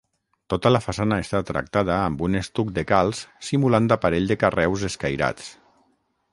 Tota la façana està tractada amb un estuc de calç simulant aparell de carreus escairats.